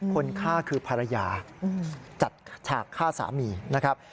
คนฆ่าคือภรรยาจัดฉากฆ่าสามีนะครับ